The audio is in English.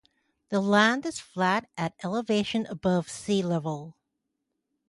The land is flat at elevation above sea level.